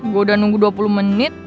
gue udah nunggu dua puluh menit